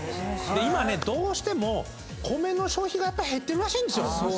今ねどうしても米の消費が減ってるらしいんですよ。